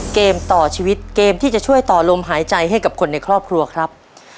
เกมต่อชีวิตเกมที่จะช่วยต่อลมหายใจให้กับคนในครอบครัวครับ